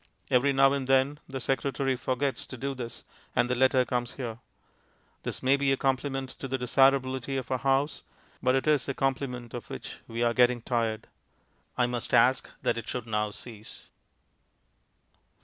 Every now and then the secretary forgets to do this, and the letter comes here. This may be a compliment to the desirability of our house, but it is a compliment of which we are getting tired. I must ask that it should now cease.